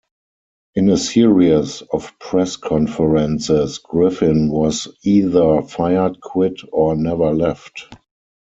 In a series of press conferences, Griffin was either fired, quit, or never left.